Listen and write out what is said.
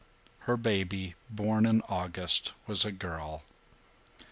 Her baby, born in August, was a girl.